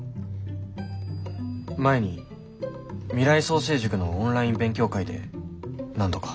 前に未来創成塾のオンライン勉強会で何度か。